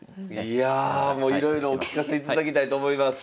いやもういろいろお聞かせいただきたいと思います。